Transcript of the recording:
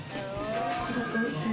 すごくおいしい！